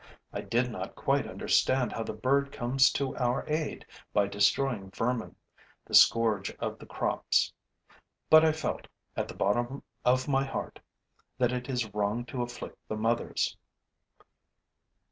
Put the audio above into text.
I did not quite understand how the bird comes to our aid by destroying vermin, the scourge of the crops; but I felt, at the bottom of my heart, that it is wrong to afflict the mothers.